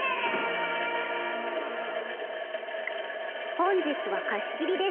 「本日は貸し切りです。